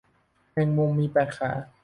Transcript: แมงมุม มีแปดขา